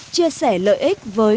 chia sẻ lợi ích với